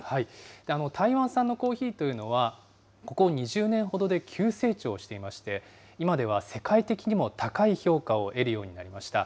台湾産のコーヒーというのは、ここ２０年ほどで急成長していまして、今では世界的にも高い評価を得るようになりました。